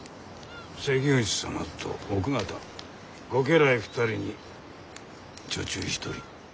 関口様と奥方ご家来２人に女中１人。